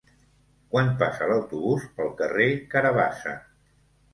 Quan passa l'autobús pel carrer Carabassa?